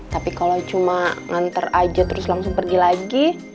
tapi kalau cuma nganter aja terus langsung pergi lagi